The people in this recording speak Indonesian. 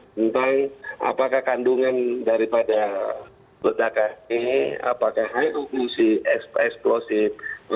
tentang apakah kandungan daripada ledakan ini apakah high evolution explosive